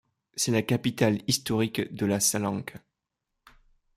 C'est la capitale historique de la Salanque.